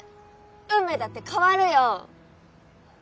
運命だって変わるよ！